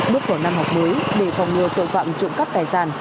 bước của năm học mới để phòng ngừa tội phạm trộm cắt tài sản